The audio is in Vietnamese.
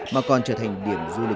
mà còn trở thành điểm du lịch